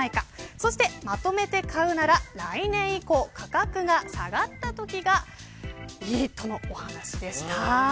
そしてまとめて買うなら来年以降価格が下がったときがいいというお話でした。